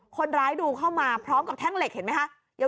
คนร้ายดูเข้ามาพร้อมกับแท่งเหล็กเห็นไหมคะ